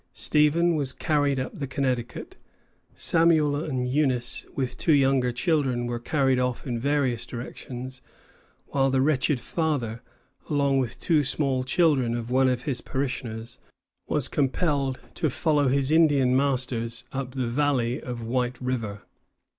Stephen was carried up the Connecticut; Samuel and Eunice, with two younger children, were carried off in various directions; while the wretched father, along with two small children of one of his parishioners, was compelled to follow his Indian masters up the valley of White River.